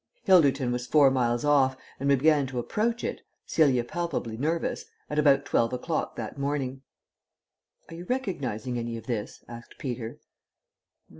Hilderton was four miles off, and we began to approach it Celia palpably nervous at about twelve o'clock that morning. "Are you recognizing any of this?" asked Peter.